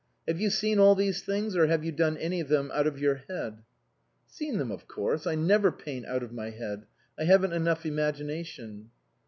Have you seen all these things, or have you done any of them out of your head ?"" Seen them of course. I never paint ' out of my head '; I haven't enough imagination."